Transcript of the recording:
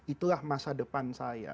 itulah masa depan saya